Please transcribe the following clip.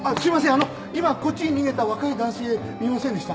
あの今こっちに逃げた若い男性見ませんでした？